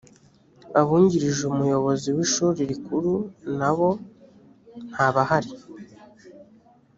abungirije umuyobozi w ‘ishuri rikuru nabo ntabahari.